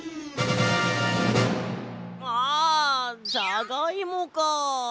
ああじゃがいもか。